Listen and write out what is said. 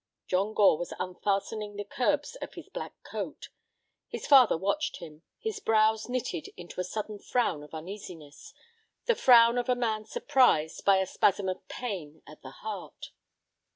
John Gore was unfastening the curbs of his black cloak. His father watched him, his brows knitted into a sudden frown of uneasiness—the frown of a man surprised by a spasm of pain at the heart.